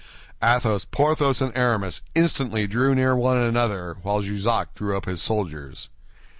Athos, Porthos, and Aramis instantly drew near one another, while Jussac drew up his soldiers.